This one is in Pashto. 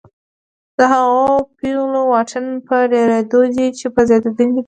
د هغو پیغلو واټن په ډېرېدو دی چې په زیاتېدونکي ډول